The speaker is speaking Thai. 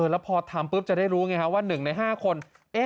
แล้วพอทำจะได้รู้ไงครับว่า๑ใน๕คน